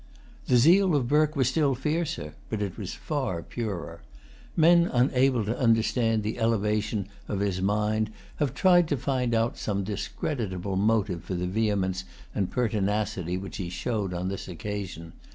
The zeal of Burke was still fiercer; but it was far purer. Men unable to understand the elevation of his[Pg 210] mind have tried to find out some discreditable motive for the vehemence and pertinacity which he showed on this occasion.